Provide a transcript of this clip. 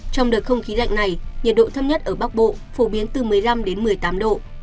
trong đợt không khí lạnh này nhiệt độ thấp nhất ở bắc bộ phổ biến từ một mươi năm đến một mươi tám độ